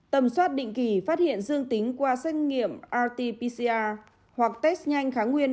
tầm soát định kỳ phát hiện dương tính qua xét nghiệm rt pcr hoặc test nhanh kháng nguyên